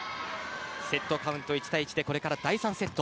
セットカウント１−１でこれから第３セット。